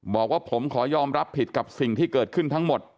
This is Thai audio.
บอกว่าผมขอยอมรับผิดกับสิ่งที่เกิดขึ้นทั้งหมด